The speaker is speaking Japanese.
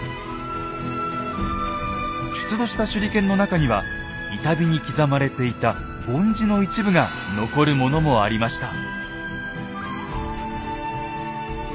出土した手裏剣の中には板碑に刻まれていた梵字の一部が残るものもありました。